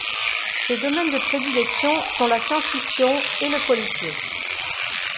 Ses domaines de prédilection sont la science-fiction et le policier.